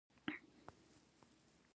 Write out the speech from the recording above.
د دولت اسرار افشا کول څه سزا لري؟